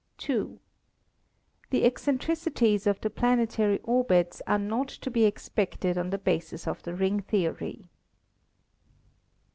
"2. The eccentricities of the planetary orbits are not to be expected on the basis of the ring theory.